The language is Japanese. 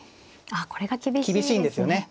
ああこれが厳しいですね。